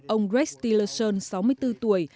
ông rex tillerson sáu mươi bốn tuổi